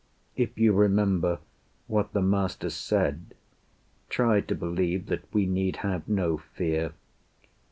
If you remember what the Master said, Try to believe that we need have no fear.